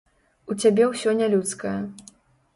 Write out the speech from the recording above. У цябе ўсё нялюдскае.